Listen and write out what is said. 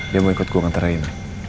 dia mau ikut gue nganterin